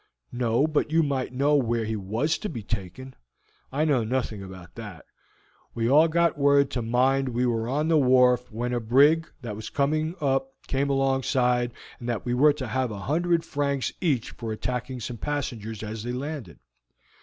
"No, but you might know where he was to be taken." "I know nothing about that. We all got word to mind we were on the wharf when a brig, that was seen coming up, came alongside, and that we were to have a hundred francs each for attacking some passengers as they landed.